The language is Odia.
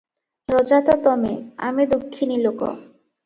ରଜା ତ ତମେ, ଆମେ ଦୁଃଖିନୀ ଲୋକ